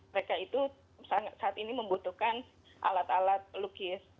mereka itu saat ini membutuhkan alat alat lukis